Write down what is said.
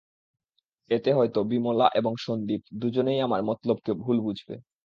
এতে হয়তো বিমলা এবং সন্দীপ দুজনেই আমার মতলবকে ভুল বুঝবে।